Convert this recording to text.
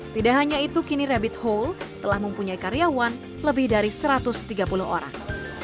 tidak hanya itu kini rabbit hole telah mempunyai karyawan lebih dari satu ratus tiga puluh orang